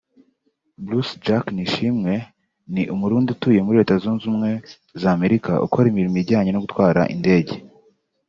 Bruce Jacques Nishimwe ni Umurundi utuye muri Leta Zunze Ubumwe z’Amerika ukora imirimo ijyanye no gutwara indege